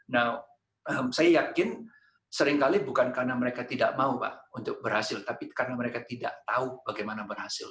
nah saya yakin seringkali bukan karena mereka tidak mau pak untuk berhasil tapi karena mereka tidak tahu bagaimana berhasil